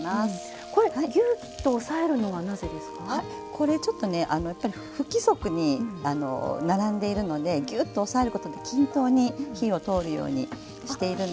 これちょっとねやっぱり不規則に並んでいるのでギューッと押さえることで均等に火を通るようにしているのと。